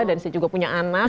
dan saya juga punya anak